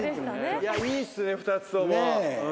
いいっすね２つとも。